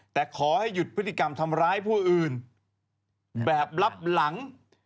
แต่ขอให้หยุดพฤติกรรมทำร้ายผู้อื่นแบบรับหลัง